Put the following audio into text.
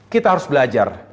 kita harus belajar